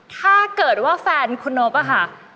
ถ้าเกิดว่าแฟนคุณนบอะค่ะ